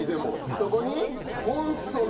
そこにコンソメ。